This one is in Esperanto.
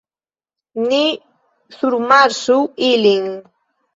Ni surmarŝu ilin.